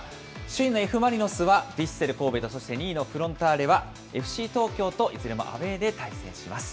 首位のＦ・マリノスはヴィッセル神戸と、そして２位のフロンターレはＦＣ東京といずれもアウエーで対戦します。